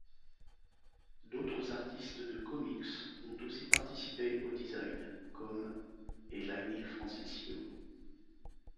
D'autres artistes de comics ont aussi participé au design, comme et Leinil Francis Yu.